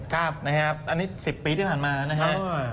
ครับนะครับอันนี้๑๐ปีที่ผ่านมานะฮะ